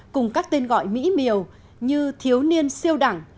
cùng các tên gọi mỹ miều như thiếu niên siêu đẳng